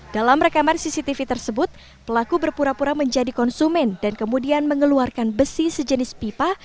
dalam rekaman cctv tersebut pelaku berpura pura menjadi konsumen dan kemudian mengeluarkan besi sejenis pipa